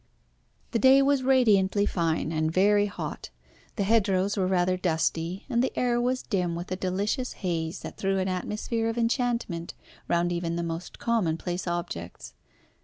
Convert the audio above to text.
The day was radiantly fine, and very hot. The hedgerows were rather dusty, and the air was dim with a delicious haze that threw an atmosphere of enchantment round even the most commonplace objects.